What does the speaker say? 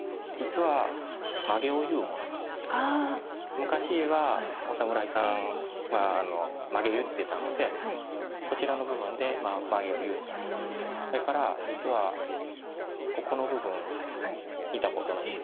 昔はお侍さんは髷結ってたのでこちらの部分でまあ髷を結ったりそれから実はここの部分見たことないですか？